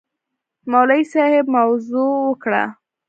مولوي صاحب موعظه وکړه.